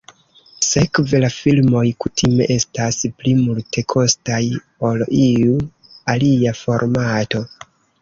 Sekve, la filmoj kutime estas pli multekostaj ol iu alia formato.